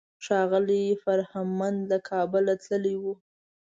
ښاغلی فرهمند له کابله تللی و.